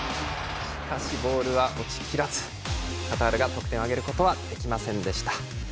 しかしボールは落ちきらずカタールが得点を挙げることはできませんでした。